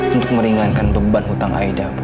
untuk meringankan beban hutang aeda